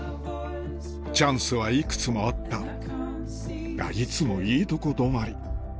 チャンスはいくつもあったがいつもいいとこ止まり